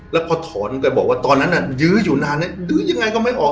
แล้วพอถอนไปบอกว่าตอนนั้นน่ะยื้ออยู่นานยื้อยังไงก็ไม่ออก